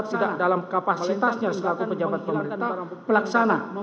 tidak dalam kapasitasnya selaku pejabat pemerintah pelaksana